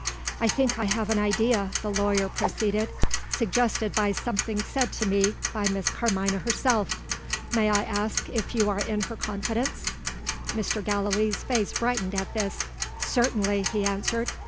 "I think I have an idea," the lawyer proceeded; "suggested by something said to me by Miss Carmina herself. May I ask if you are in her confidence?" Mr. Gallilee's face brightened at this. "Certainly," he answered.